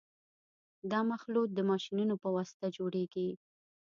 دا مخلوط د ماشینونو په واسطه جوړیږي